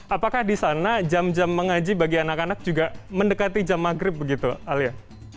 apakah di sana jam jam mengaji bagi anak anak juga mendekati jam maghrib begitu alia